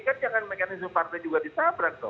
kan jangan mekanisme partai juga ditabrak